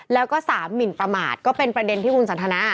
แล้วก็๓หมินประมาทก็เป็นประเด็นที่คุณสันทนา